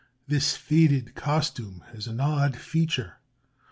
This faded costume has an odd feature.